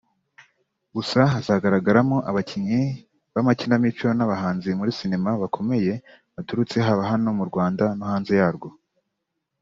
Gusa hazagaragaramo abakinnyi b’amakinamico n’abahanzi muri sinema bakomeye baturutse haba hano mu Rwanda no hanze yarwo